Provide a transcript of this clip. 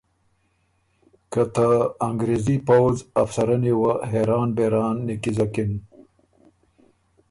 که ته انګرېزي پؤځ ا افسرنی وه حېران بېران نیکیزکِن